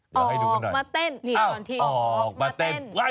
ออกมาเต้นออกมาเต้นอ้าวออกมาเต้นไว้